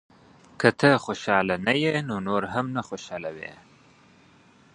• که ته خوشحاله نه یې، نو نور هم نه خوشحالوې.